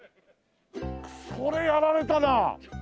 これやられたな。